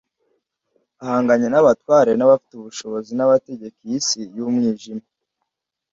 ahanganye n’abatware n’abafite ubushobozi n’abategeka iyi si y’umwijima,